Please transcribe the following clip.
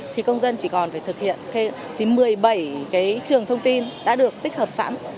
thì công dân chỉ còn phải thực hiện một mươi bảy trường thông tin đã được tích hợp sẵn